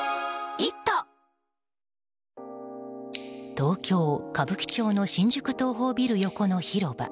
東京・歌舞伎町の新宿東宝ビル横の広場。